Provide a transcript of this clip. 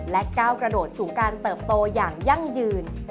และก้าวกระโดดสู่การเติบโตอย่างยั่งยืน